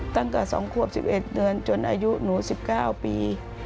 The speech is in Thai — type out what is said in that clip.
ตั้งแต่๒ขวบ๑๑เดือนจนอายุหนู๑๙ปี